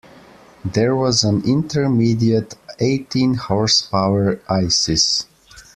There was an intermediate eighteen horsepower Isis.